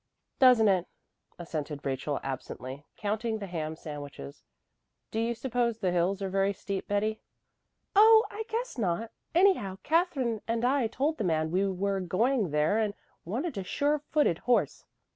"Doesn't it?" assented Rachel absently, counting the ham sandwiches. "Do you suppose the hills are very steep, Betty?" "Oh, I guess not. Anyhow Katherine and I told the man we were going there and wanted a sure footed horse."